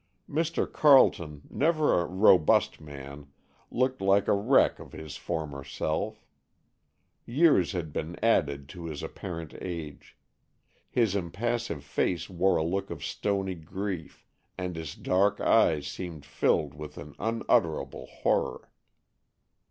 Mr. Carleton, never a robust man, looked like a wreck of his former self. Years had been added to his apparent age; his impassive face wore a look of stony grief, and his dark eyes seemed filled with an unutterable horror.